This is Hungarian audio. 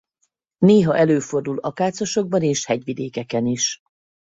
Néha előfordul akácosokban és hegyvidékeken is.